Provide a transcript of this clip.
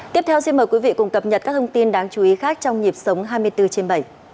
tiếp theo xin mời quý vị cùng cập nhật các thông tin đáng chú ý khác trong nhịp sống hai mươi bốn trên bảy